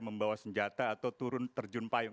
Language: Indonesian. membawa senjata atau turun terjun payung